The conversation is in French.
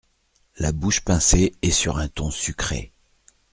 La bouche pincée et sur un ton sucré.